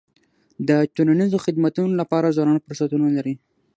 د ټولنیزو خدمتونو لپاره ځوانان فرصتونه لري.